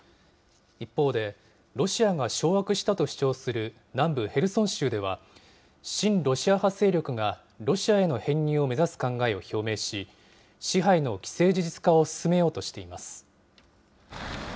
一方で、ロシアが掌握したと主張する南部ヘルソン州では、親ロシア派勢力がロシアへの編入を目指す考えを表明し、支配の既成事実化を進めようとしています。